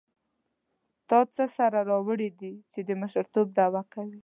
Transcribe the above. تا څه سر راوړی دی چې د مشرتوب دعوه کوې.